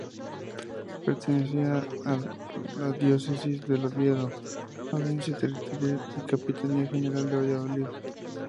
Pertenecía a la diócesis de Oviedo; audiencia territorial y capitanía general de Valladolid.